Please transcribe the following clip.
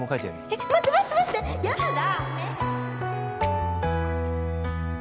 えっ待って待って待ってやだ